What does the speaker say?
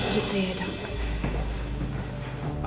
gitu ya dok